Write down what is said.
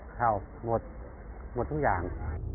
เข้าหมดทุกอย่าง